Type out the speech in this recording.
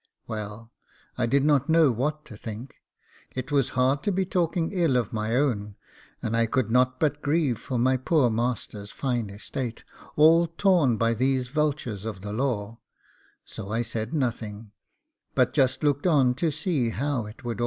Well, I did not know what to think; it was hard to be talking ill of my own, and I could not but grieve for my poor master's fine estate, all torn by these vultures of the law; so I said nothing, but just looked on to see how it would all end.